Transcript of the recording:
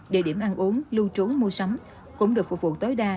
địa điểm ăn uống lưu trú mua sắm cũng được phục vụ tối đa